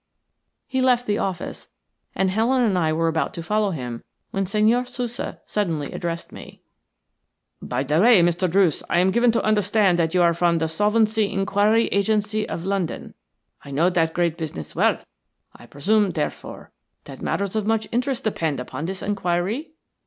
He left the office, and Helen and I were about to follow him when Senhor Sousa suddenly addressed me. "By the way, Mr. Druce, I am given to understand that you are from the Solvency Inquiry Agency of London. I know that great business well; I presume, therefore, that matters of much interest depend upon this inquiry?